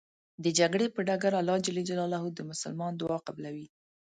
د جګړې په ډګر الله ج د مسلمان دعا قبلوی .